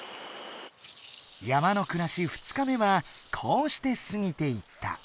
山のくらし２日目はこうしてすぎていった。